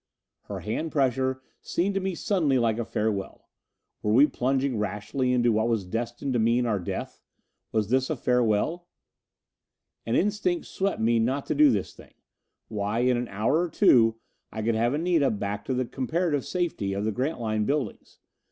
Her hand pressure seemed to me suddenly like a farewell. Were we plunging rashly into what was destined to mean our death? Was this a farewell? An instinct swept me not to do this thing. Why, in an hour or two I could have Anita back to the comparative safety of the Grantline buildings.